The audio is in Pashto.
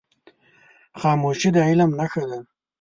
خاموشي، د علم نښه ده.